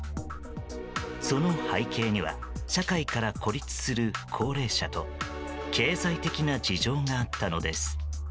その背景には社会から孤立する高齢者と経済的な事情があったのです。